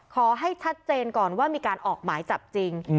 ขอให้ชัดเจนก่อนว่ามีการออกหมายจับจริง